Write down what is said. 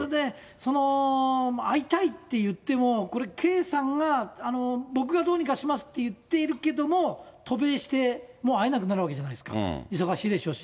その会いたいって言っても、これ、圭さんが僕がどうにかしますって言っているけれども、渡米して、もう会えなくなるわけじゃないですか、忙しいでしょうし。